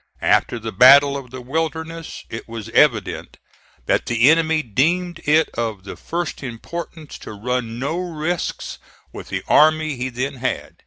After the battle of the Wilderness, it was evident that the enemy deemed it of the first importance to run no risks with the army he then had.